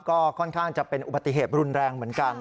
ก็ค่อนข้างจะเป็นอุบัติเหตุรุนแรงเหมือนกัน